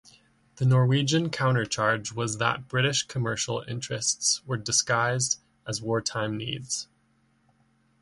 The Norwegian countercharge was that British commercial interests were disguised as wartime needs.